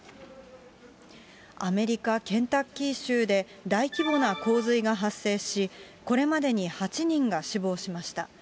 アメリカ・ケンタッキー州で大規模な洪水が発生し、これまでに８人が死亡しました。